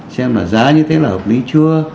xem là giá như thế là hợp lý chưa